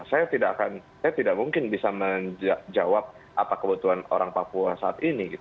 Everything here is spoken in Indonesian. saya tidak mungkin bisa menjawab apa kebutuhan orang papua saat ini